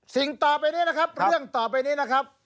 สิ่งต่อไปนี้นะครับเรื่องต่อไปนี้นะครับ